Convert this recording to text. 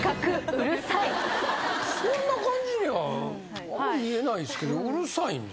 そんな感じにはあんま見えないですけどうるさいんですかね。